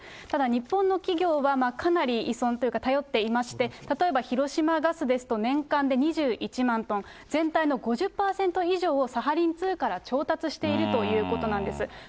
ただ日本の企業はかなり依存というか、頼っていまして、例えば広島ガスですと、年間で２１万トン、全体の５０％以上をサハリン２から調達しているということなんです。